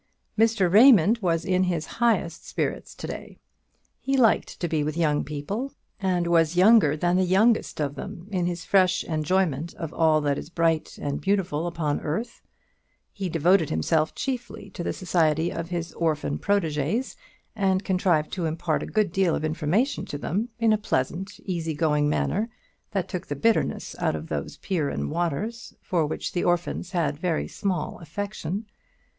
Mr. Raymond was in his highest spirits to day. He liked to be with young people, and was younger than the youngest of them in his fresh enjoyment of all that is bright and beautiful upon earth. He devoted himself chiefly to the society of his orphan protégées, and contrived to impart a good deal of information to them in a pleasant easy going manner, that took the bitterness out of those Pierian waters, for which the orphans had very small affection.